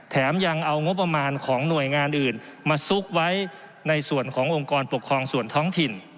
แถมยังเอางบประมาณของหน่วยงานอื่นมาซุกไว้ในส่วนขององค์กรปกครองส่วนท้องถิ่น